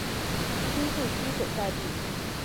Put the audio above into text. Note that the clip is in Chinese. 新宿区所在地。